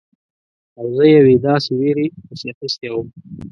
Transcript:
او زه یوې داسې ویرې پسې اخیستی وم.